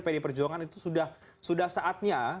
pdi perjuangan itu sudah saatnya